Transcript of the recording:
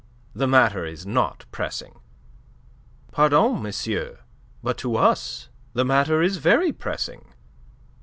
The matter is not pressing." "Pardon, monsieur, to us the matter is very pressing."